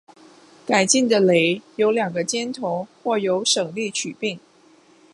改进的耒有两个尖头或有省力曲柄。